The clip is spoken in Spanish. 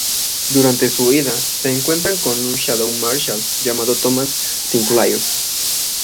Durante su huida, se encuentran con un Shadow Marshall llamado Thomas Sinclair.